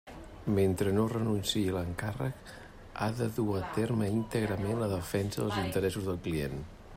Mentre no renunciï a l'encàrrec, ha de dur a terme íntegrament la defensa dels interessos del client.